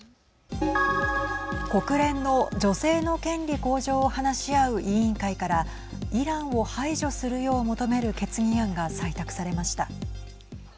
国連の女性の権利向上を話し合う委員会からイランを排除するよう求める決議案が採択されました。